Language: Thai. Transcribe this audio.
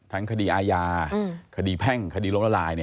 ทั้งคดีอาญาคดีแพ่งคดีล้มละลาย